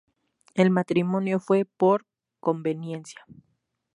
El matrimonio fue por conveniencia.